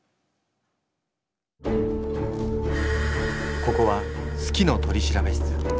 ここは「好きの取調室」。